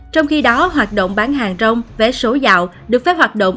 trong khi đó hoạt động bán hàng rong vé số dạo được phép hoạt động